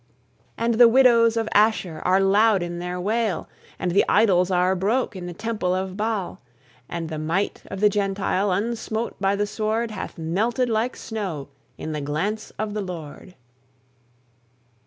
And the widows of Ashur are loud in their wail, And the idols are broke in the temple of Baal; And the might of the Gentile, unsmote by the sword, Hath melted like snow in the glance of the Lord!